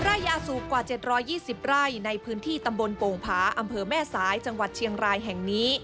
ไร่ยาสูบกว่า๗๒๐ไร่ในพื้นที่ตำบลโป่งผาอำเภอแม่สายจังหวัดเชียงรายแห่งนี้